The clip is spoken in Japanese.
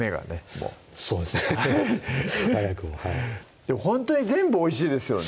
もうそうですねハハハ早くもほんとに全部おいしいですよね